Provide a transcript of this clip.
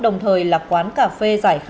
đồng thời là quán cà phê giải